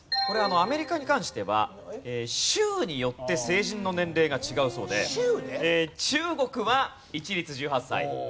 これアメリカに関しては州によって成人の年齢が違うそうで中国は一律１８歳。